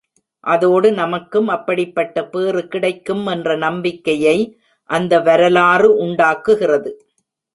அதோடு நமக்கும் அப்படிப்பட்ட பேறு கிடைக்கும் என்ற நம்பிக்கையை அந்த வரலாறு உண்டாக்குகிறது.